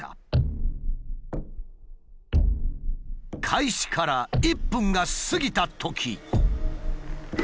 開始から１分が過ぎたとき。